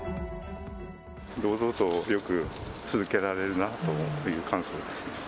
堂々とよく続けられるなっていう感想ですね。